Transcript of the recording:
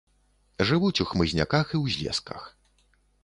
Жывуць у хмызняках і ўзлесках.